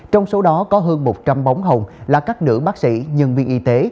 trong số đó có hơn một trăm linh bóng hồng là các nữ bác sĩ nhân viên y tế